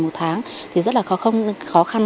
một tháng thì rất là khó khăn